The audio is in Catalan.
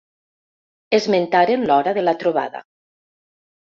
Esmentaren l'hora de la trobada.